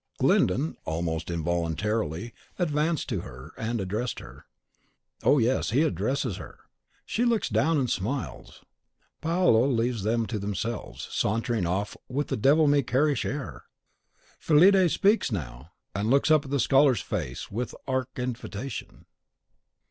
Glyndon, almost involuntarily, advanced to her, and addressed her. Oh, yes; he addresses her! She looks down, and smiles. Paolo leaves them to themselves, sauntering off with a devil me carish air. Fillide speaks now, and looks up at the scholar's face with arch invitation.